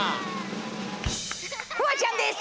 フワちゃんです！